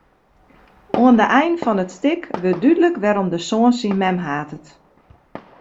Oan de ein fan it stik wurdt dúdlik wêrom de soan syn mem hatet.